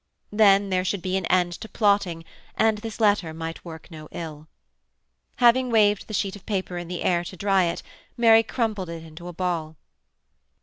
Then there should be an end to plotting and this letter might work no ill. Having waved the sheet of paper in the air to dry it, Mary crumpled it into a ball.